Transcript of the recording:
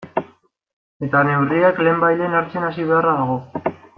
Eta neurriak lehenbailehen hartzen hasi beharra dago.